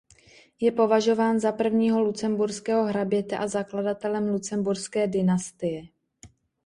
Je považován za prvního lucemburského hraběte a zakladatele lucemburské dynastie.